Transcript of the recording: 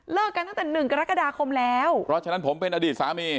กันตั้งแต่หนึ่งกรกฎาคมแล้วเพราะฉะนั้นผมเป็นอดีตสามี